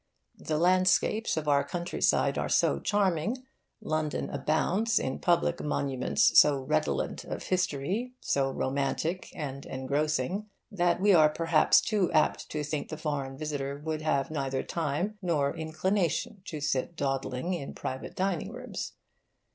The landscapes of our country side are so charming, London abounds in public monuments so redolent of history, so romantic and engrossing, that we are perhaps too apt to think the foreign visitor would have neither time nor inclination to sit dawdling in private dining rooms.